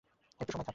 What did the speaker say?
একটু সময় থাক।